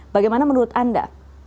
bagaimana menurut anda